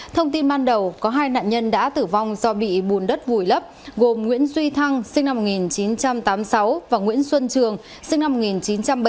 thông tin ban đầu có hai nạn nhân đã tử vong do bị bùn đất vùi lấp gồm nguyễn duy thăng sinh năm một nghìn chín trăm tám mươi sáu và nguyễn xuân trường sinh năm một nghìn chín trăm bảy mươi sáu